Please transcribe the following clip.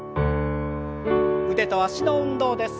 腕と脚の運動です。